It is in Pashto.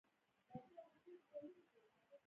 امریکا په جګړه کې خپلې ګټې په خطر کې لیدې